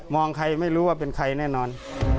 ใครไม่รู้ว่าเป็นใครแน่นอน